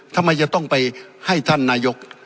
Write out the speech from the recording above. ทำไมจะต้องไปให้ท่านนายก